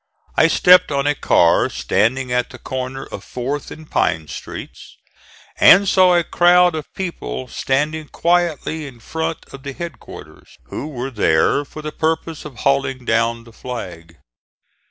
I stepped on a car standing at the corner of 4th and Pine streets, and saw a crowd of people standing quietly in front of the head quarters, who were there for the purpose of hauling down the flag.